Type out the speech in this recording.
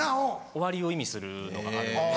終わりを意味するのがあるので。